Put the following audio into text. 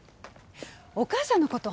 お母さんのこと